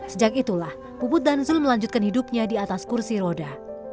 sejak itulah puput dan zul melanjutkan hidupnya di atas kursi roda